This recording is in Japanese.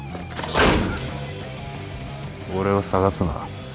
俺を捜すな。